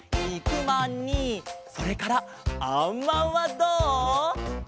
にくまんにそれからあんまんはどう？